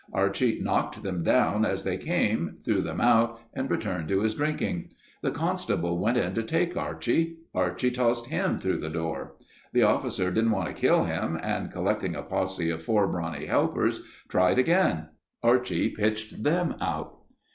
Archie knocked them down as they came, threw them out and returned to his drinking. The constable went in to take Archie. Archie tossed him through the door. The officer didn't want to kill him, and collecting a posse of four brawny helpers, tried again. Archie pitched them out.